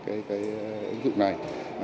cái kỹ thuật của trường học